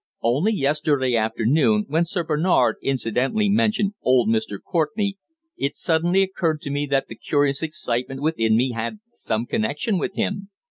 Only yesterday afternoon, when Sir Bernard incidentally mentioned old Mr. Courtenay, it suddenly occurred to me that the curious excitement within me had some connection with him.